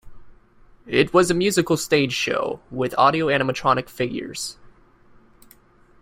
It was a musical stage show, with audio-animatronic figures.